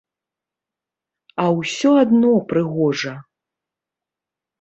А ўсё адно прыгожа!